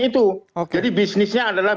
itu jadi bisnisnya adalah